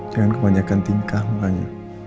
jangan kebanyakan tingkah mbaknya